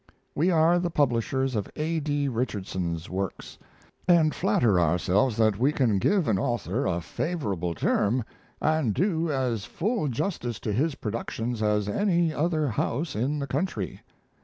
We are the publishers of A. D. Richardson's works, and flatter ourselves that we can give an author a favorable term and do as full justice to his productions as any other house in the country.